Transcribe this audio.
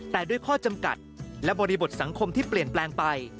แต่ด้วยข้อจำกัดและบริบทสังคมที่เปลี่ยนแปลงไป